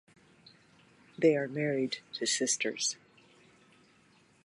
They are married to sisters.